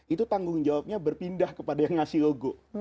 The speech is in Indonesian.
itu tanggung jawabnya berpindah kepada yang ngasih logo